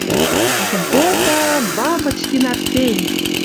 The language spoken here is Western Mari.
Ужын колта — Бабочкин Арсень!